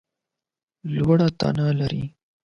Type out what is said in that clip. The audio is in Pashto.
لوړه تنه لرې !